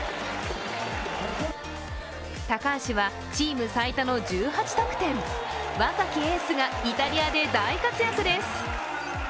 高橋はチーム最多の１８得点若きエースがイタリアで大活躍です。